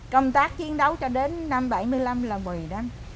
công tác chiến đấu cho đến năm bảy mươi năm là một mươi năm